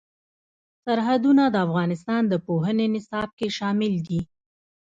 سرحدونه د افغانستان د پوهنې نصاب کې شامل دي.